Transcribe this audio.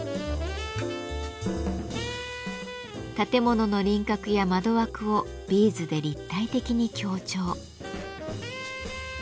建物の輪郭や窓枠をビーズで立体的に強調。